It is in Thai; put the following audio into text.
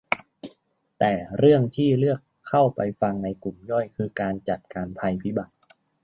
แต่เรื่องที่เลือกเข้าไปฟังในกลุ่มย่อยคือการจัดการภัยพิบัติ